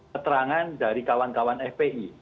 keterangan dari kawan kawan fpi